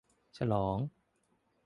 ฉลอง !